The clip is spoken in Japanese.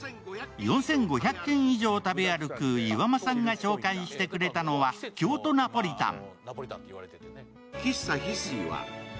４５００軒以上食べ歩く岩間さんが紹介してくれたのは京都ナポリタン。